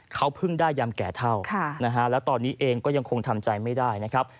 เขาเพิ่งได้ยำแก่เท่าแล้วตอนนี้เองก็ยังคงทำใจไม่ได้นะครับ